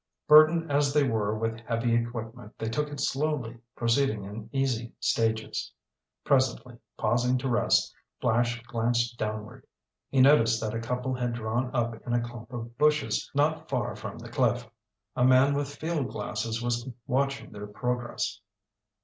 Burdened as they were with heavy equipment, they took it slowly, proceeding in easy stages. Presently, pausing to rest, Flash glanced downward. He noticed that a coupe had drawn up in a clump of bushes not far from the cliff. A man with field glasses was watching their progress.